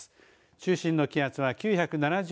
中心の気圧は９７０